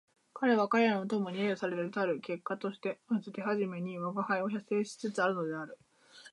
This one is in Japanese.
彼は彼の友に揶揄せられたる結果としてまず手初めに吾輩を写生しつつあるのである